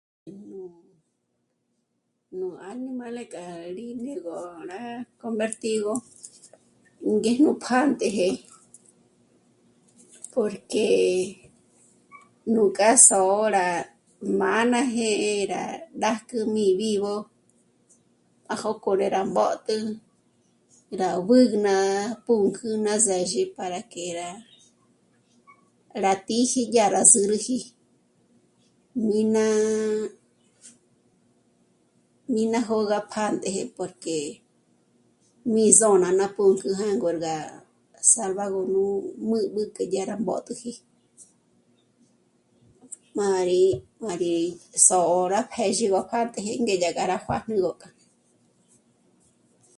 Nú... nú añimale k'a rí né'egö gá convertigö ngéj nú pjántëjë porque nú k'a sôra mâ'a ná jë́'ë rá... rájküjmi vivo pajókò né'e rá mbö̀tü rá mbüj ná pǔnk'ü ná xë́dyi para que rá tíji dyá sä̌räji, mí ná... mí ná jó'o gá pjántëjë porque mí zô'ná ná pǔnk'ü jângorgá salvagö nú m'ǜb'ü k'a dyá gó mbö̀tüji. M'â rí sô'o rá pé'zhi yó pjántëjë ngé gá juármagö 'ókü